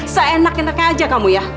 seenak enaknya aja kamu ya